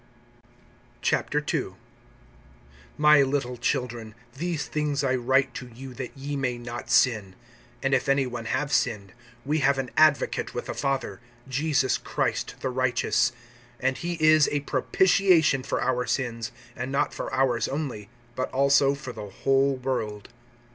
II. MY little children, these things I write to you, that ye may not sin. And if any one have sinned, we have an advocate with the Father, Jesus Christ the righteous. (2)And he is a propitiation for our sins; and not for ours only, but also for the whole world.